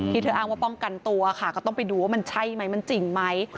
เธออ้างว่าป้องกันตัวค่ะก็ต้องไปดูว่ามันใช่ไหมมันจริงไหม